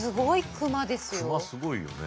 クマすごいよね。